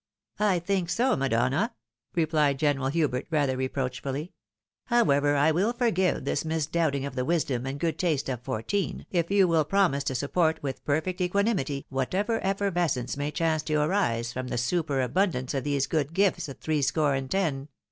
" I think so, madonna," replied General Hubert, rather reproachfully. " However, I will forgive this misdoulating of the wisdom and good taste of fourteen, if you will promise to support with perfect equanimity whatever efiervescence may chance to arise from the superabundance of these good gifts at threescore and ten.